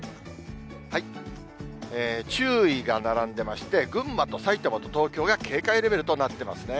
注意が並んでまして、群馬と埼玉と東京が警戒レベルとなってますね。